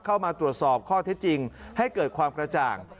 เข้ามาตรวจสอบข้อเท็จจริงให้เกิดความกระจ่าง